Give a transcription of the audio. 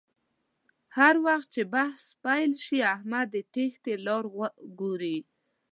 هر وخت چې بحث پیل شي احمد د تېښتې لاره گوري